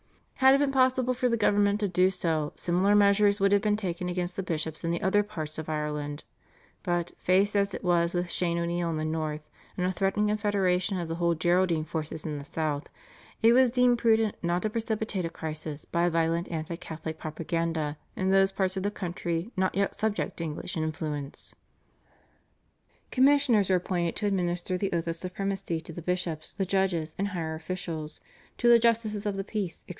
Had it been possible for the government to do so, similar measures would have been taken against the bishops in the other parts of Ireland, but, faced as it was with Shane O'Neill in the North and a threatened confederation of the whole Geraldine forces in the South, it was deemed prudent not to precipitate a crisis by a violent anti Catholic propaganda in those parts of the country not yet subject to English influence. Commissioners were appointed to administer the oath of supremacy to the bishops, the judges, and higher officials, to the justices of the peace, etc.